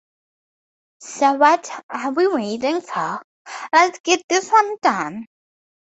So what are we waiting for? Let’s get this done.